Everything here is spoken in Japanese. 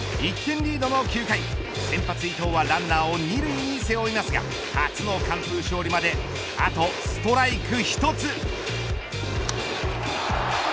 １点リードの９回先発伊藤はランナーを２塁に背負いますが初の完封勝利まであとストライク１つ。